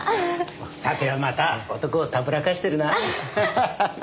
さてはまた男をたぶらかしてるな？